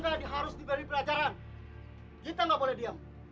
kita gak boleh diam